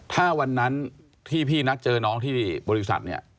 ถ้าวันนั้นที่พี่นัดเจอน้องที่บริษัทเนี่ย